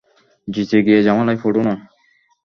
যেচে গিয়ে ঝামেলায় পড়ো না।